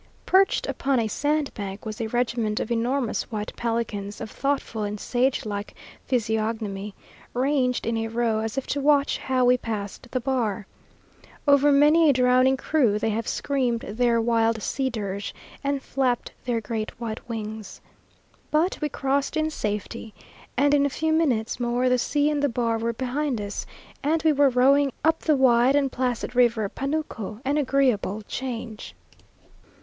Perched upon a sandbank was a regiment of enormous white pelicans of thoughtful and sage like physiognomy, ranged in a row, as if to watch how we passed the bar. Over many a drowning crew they have screamed their wild sea dirge, and flapped their great white wings. But we crossed in safety, and in a few minutes more the sea and the bar were behind us, and we were rowing up the wide and placid river Panuco an agreeable change.